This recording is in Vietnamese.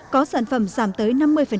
có sản phẩm giảm tới năm mươi